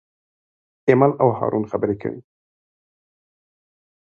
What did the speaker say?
ایمل او هارون خبرې کوي.